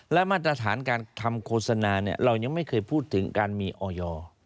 และมาตรฐานการทำโฆษณาเรายังไม่เคยพูดถึงการมีออย